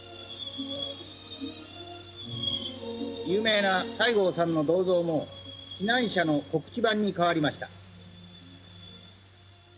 有名な西郷さんの銅像も避難者の告知板に変わりました。